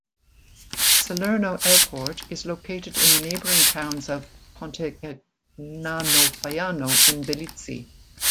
Salerno airport is located in the neighboring towns of Pontecagnano Faiano and Bellizzi.